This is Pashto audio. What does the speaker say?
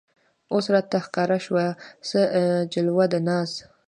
اوس راته ښکاره شوه څه جلوه د ناز